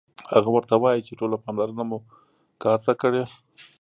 هغه ورته وايي چې ټوله پاملرنه مو کار ته کړئ